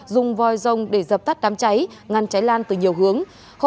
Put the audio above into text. dùng voi rông để dập tắt đám cháy ngăn cháy lan từ nhiều hướng